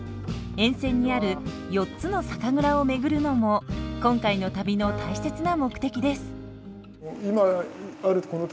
沿線にある４つの酒蔵を巡るのも今回の旅の大切な目的です。